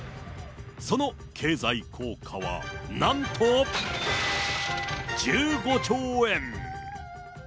その経済効果はなんと１５兆円。